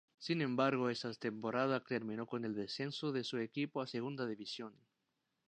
Sin embargo, esa temporada terminó con el descenso de su equipo a Segunda División.